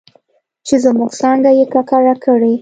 چې زموږ څانګه یې ککړه کړې